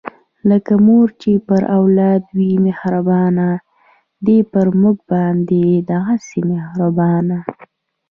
لکه مور چې پر اولاد وي مهربانه، دی پر مونږ باندې دغهسې مهربانه